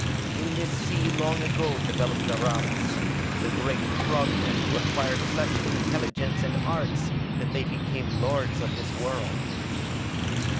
In this sea long ago developed the Ralas, the great frog men who acquired such intelligence and arts that they became lords of this world.